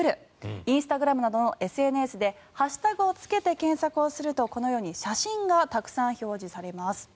インスタグラムなどのＳＮＳでハッシュタグをつけて検索をするとこのように写真がたくさん表示されます。